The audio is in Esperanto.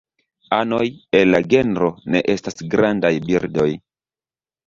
Anoj el la genro ne estas grandaj birdoj.